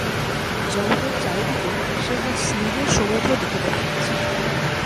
জগতের চারিদিকে সে আজ স্নেহের সমুদ্র দেখিতে পাইতেছে।